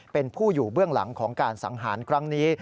เป็นผู้อยู่เบื้องหลังของการสังหารครั้งนี้